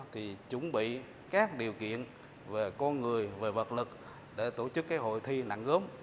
thì chuẩn bị các điều kiện về con người về vật lực để tổ chức cái hội thi nặng gốm